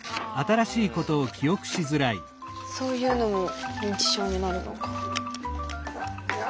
そういうのも認知症になるのか。